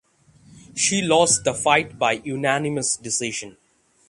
She lost the fight by unanimous decision.